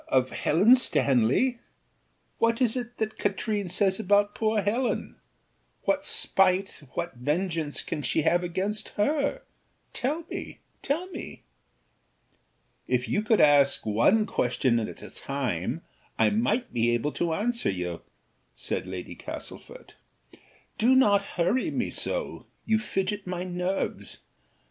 of Helen Stanley! what is it that Katrine says about poor Helen? what spite, what vengeance, can she have against her, tell me, tell me." "If you would ask one question at a time, I might be able to answer you," said Lady Castlefort. "Do not hurry me so; you fidget my nerves.